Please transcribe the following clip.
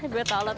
gue tahu lah